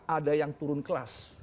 ada yang turun kelas